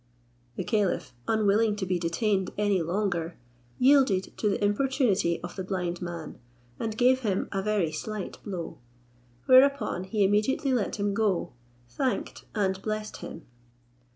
The caliph, unwilling to be detained any longer, yielded to the importunity of the blind man, and gave him a very slight blow: whereupon he immediately let him go, thanked and blessed him.